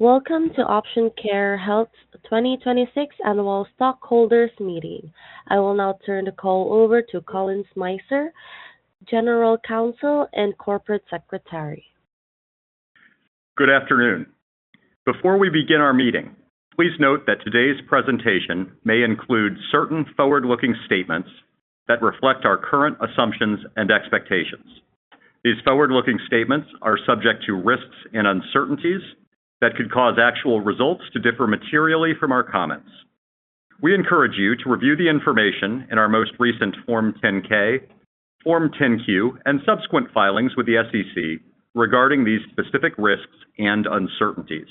Welcome to Option Care Health's 2026 annual stockholders meeting. I will now turn the call over to Collin Smyser, General Counsel and Corporate Secretary. Good afternoon. Before we begin our meeting, please note that today's presentation may include certain forward-looking statements that reflect our current assumptions and expectations. These forward-looking statements are subject to risks and uncertainties that could cause actual results to differ materially from our comments. We encourage you to review the information in our most recent Form 10-K, Form 10-Q, and subsequent filings with the SEC regarding these specific risks and uncertainties.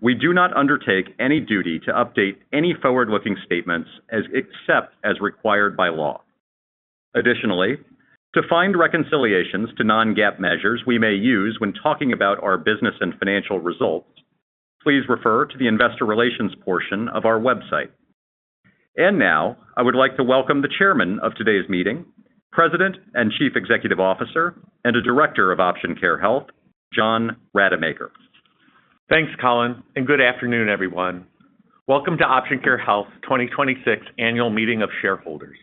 We do not undertake any duty to update any forward-looking statements, except as required by law. Additionally, to find reconciliations to non-GAAP measures we may use when talking about our business and financial results, please refer to the investor relations portion of our website. Now I would like to welcome the chairman of today's meeting, President and Chief Executive Officer, and a director of Option Care Health, John Rademacher. Thanks, Collin, and good afternoon, everyone. Welcome to Option Care Health's 2026 Annual Meeting of Shareholders.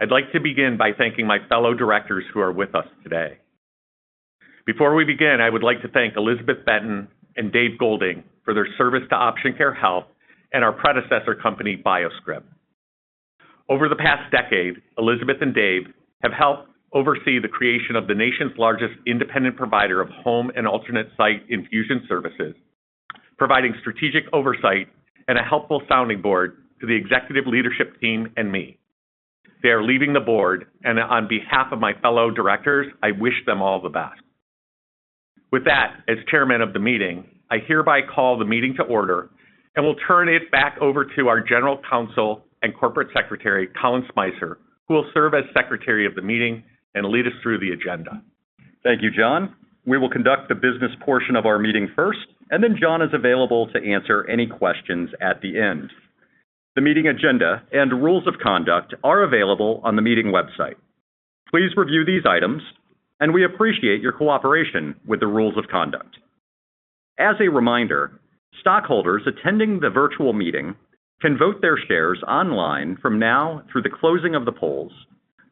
I'd like to begin by thanking my fellow directors who are with us today. Before we begin, I would like to thank Elizabeth Betten and David Golding for their service to Option Care Health and our predecessor company, BioScrip. Over the past decade, Elizabeth and Dave have helped oversee the creation of the nation's largest independent provider of home and alternate site infusion services, providing strategic oversight and a helpful sounding board to the executive leadership team and me. They are leaving the board, and on behalf of my fellow directors, I wish them all the best. With that, as chairman of the meeting, I hereby call the meeting to order, and will turn it back over to our General Counsel and Corporate Secretary, Collin Smyser, who will serve as secretary of the meeting and lead us through the agenda. Thank you, John. We will conduct the business portion of our meeting first, and then John is available to answer any questions at the end. The meeting agenda and rules of conduct are available on the meeting website. Please review these items, and we appreciate your cooperation with the rules of conduct. As a reminder, stockholders attending the virtual meeting can vote their shares online from now through the closing of the polls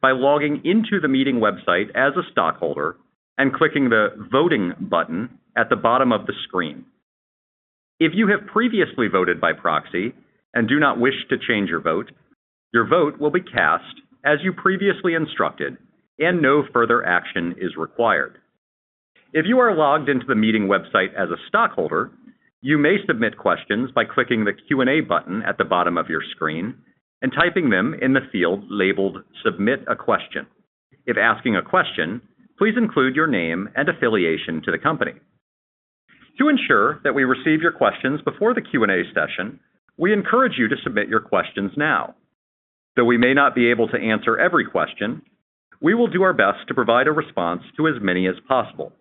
by logging into the meeting website as a stockholder and clicking the voting button at the bottom of the screen. If you have previously voted by proxy and do not wish to change your vote, your vote will be cast as you previously instructed and no further action is required. If you are logged into the meeting website as a stockholder, you may submit questions by clicking the Q&A button at the bottom of your screen and typing them in the field labeled Submit a Question. If asking a question, please include your name and affiliation to the company. To ensure that we receive your questions before the Q&A session, we encourage you to submit your questions now. Though we may not be able to answer every question, we will do our best to provide a response to as many as possible.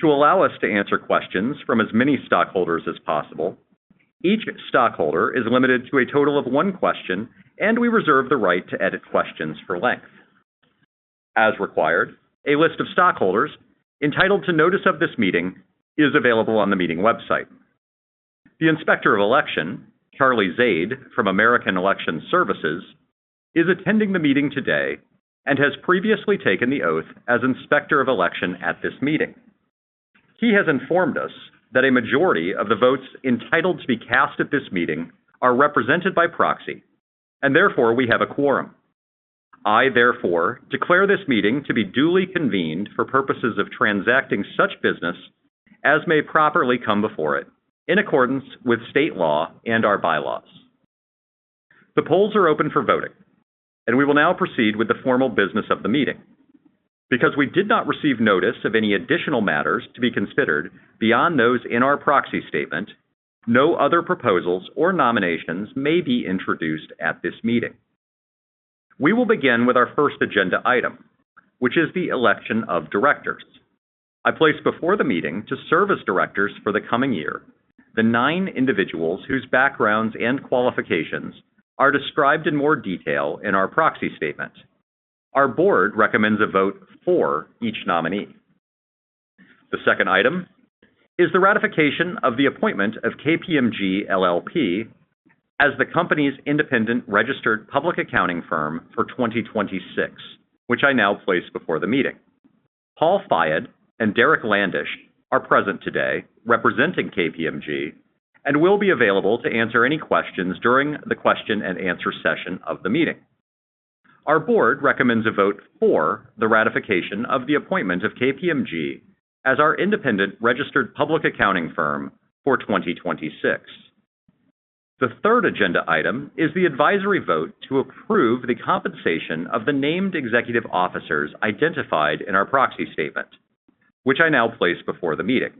To allow us to answer questions from as many stockholders as possible, each stockholder is limited to a total of one question, and we reserve the right to edit questions for length. As required, a list of stockholders entitled to notice of this meeting is available on the meeting website. The Inspector of Election, Charlie Zaid from American Election Services, is attending the meeting today and has previously taken the oath as Inspector of Election at this meeting. He has informed us that a majority of the votes entitled to be cast at this meeting are represented by proxy, and therefore we have a quorum. I therefore declare this meeting to be duly convened for purposes of transacting such business as may properly come before it in accordance with state law and our bylaws. The polls are open for voting, and we will now proceed with the formal business of the meeting. Because we did not receive notice of any additional matters to be considered beyond those in our proxy statement, no other proposals or nominations may be introduced at this meeting. We will begin with our first agenda item, which is the election of directors. I place before the meeting to serve as directors for the coming year the nine individuals whose backgrounds and qualifications are described in more detail in our proxy statement. Our board recommends a vote for each nominee. The second item is the ratification of the appointment of KPMG LLP as the company's independent registered public accounting firm for 2026, which I now place before the meeting. Paul Fayad and Derek Landish are present today representing KPMG and will be available to answer any questions during the question and answer session of the meeting. Our board recommends a vote for the ratification of the appointment of KPMG as our independent registered public accounting firm for 2026. The third agenda item is the advisory vote to approve the compensation of the named executive officers identified in our proxy statement, which I now place before the meeting.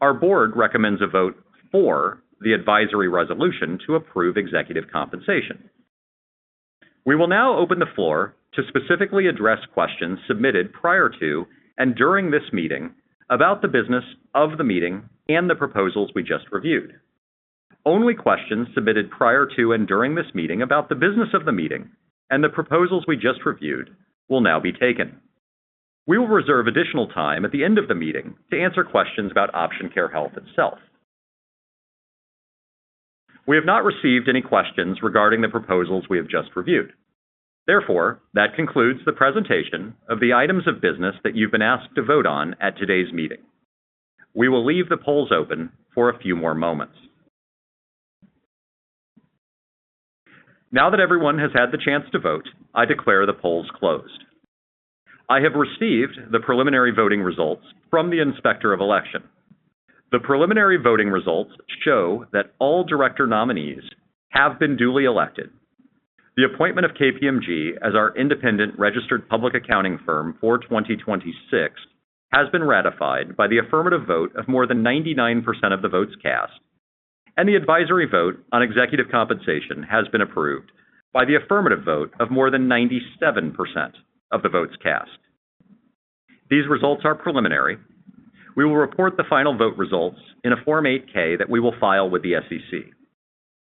Our board recommends a vote for the advisory resolution to approve executive compensation. We will now open the floor to specifically address questions submitted prior to and during this meeting about the business of the meeting and the proposals we just reviewed. Only questions submitted prior to and during this meeting about the business of the meeting and the proposals we just reviewed will now be taken. We will reserve additional time at the end of the meeting to answer questions about Option Care Health itself. We have not received any questions regarding the proposals we have just reviewed. Therefore, that concludes the presentation of the items of business that you've been asked to vote on at today's meeting. We will leave the polls open for a few more moments. Now that everyone has had the chance to vote, I declare the polls closed. I have received the preliminary voting results from the Inspector of Election. The preliminary voting results show that all director nominees have been duly elected. The appointment of KPMG as our independent registered public accounting firm for 2026 has been ratified by the affirmative vote of more than 99% of the votes cast, and the advisory vote on executive compensation has been approved by the affirmative vote of more than 97% of the votes cast. These results are preliminary. We will report the final vote results in a Form 8-K that we will file with the SEC.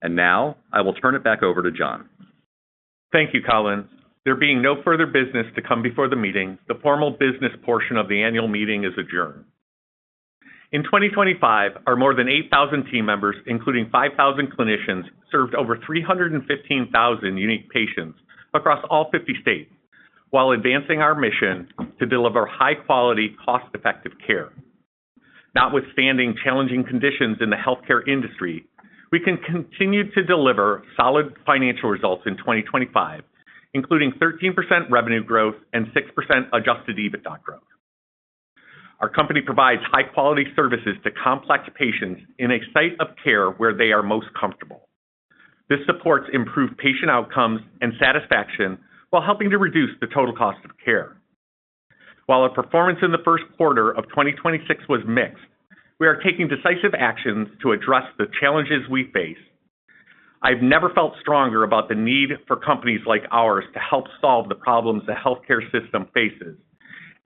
Now I will turn it back over to John. Thank you, Collin. There being no further business to come before the meeting, the formal business portion of the annual meeting is adjourned. In 2025, our more than 8,000 team members, including 5,000 clinicians, served over 315,000 unique patients across all 50 states while advancing our mission to deliver high-quality, cost-effective care. Notwithstanding challenging conditions in the healthcare industry, we can continue to deliver solid financial results in 2025, including 13% revenue growth and 6% adjusted EBITDA growth. Our company provides high-quality services to complex patients in a site of care where they are most comfortable. This supports improved patient outcomes and satisfaction while helping to reduce the total cost of care. While our performance in the first quarter of 2026 was mixed, we are taking decisive actions to address the challenges we face. I've never felt stronger about the need for companies like ours to help solve the problems the healthcare system faces,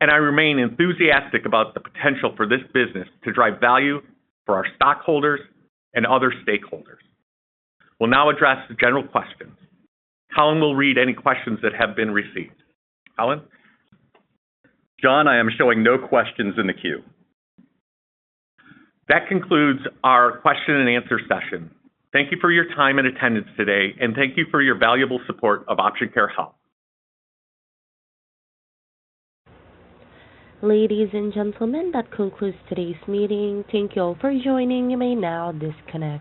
and I remain enthusiastic about the potential for this business to drive value for our stockholders and other stakeholders. We'll now address the general questions. Collin will read any questions that have been received. Collin? John, I am showing no questions in the queue. That concludes our question and answer session. Thank you for your time and attendance today, and thank you for your valuable support of Option Care Health. Ladies and gentlemen, that concludes today's meeting. Thank you all for joining. You may now disconnect.